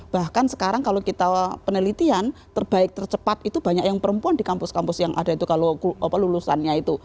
bahkan sekarang kalau kita penelitian terbaik tercepat itu banyak yang perempuan di kampus kampus yang ada itu kalau lulusannya itu